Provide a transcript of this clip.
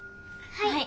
はい。